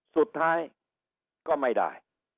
สุดท้ายก็ไม่ได้